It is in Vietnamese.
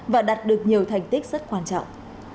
và đạt được nhiều thành tích rất quan trọng